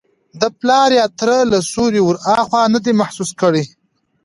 د پلار یا تره له سیوري وراخوا نه دی محسوس کړی.